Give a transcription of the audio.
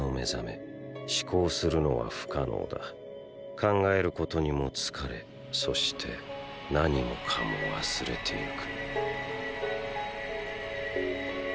考えることにも疲れそして何もかも忘れていく。